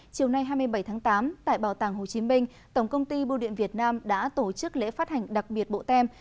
chiều nay hai mươi bảy tháng tám tại bảo tàng hồ chí minh tổng công ty bưu điện việt nam đã tổ chức lễ phát hành đặc biệt bộ tem